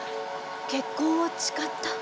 「結婚を誓った」？